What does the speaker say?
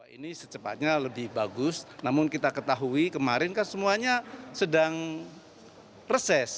ini secepatnya lebih bagus namun kita ketahui kemarin kan semuanya sedang reses